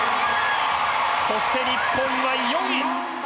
そして日本は４位！